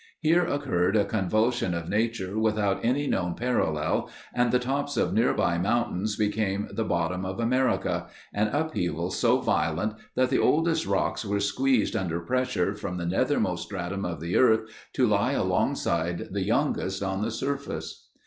Here occurred a convulsion of nature without any known parallel and the tops of nearby mountains became the bottom of America—an upheaval so violent that the oldest rocks were squeezed under pressure from the nethermost stratum of the earth to lie alongside the youngest on the surface.